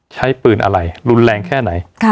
ใช้ปืนอะไรรุนแรงแค่ไหน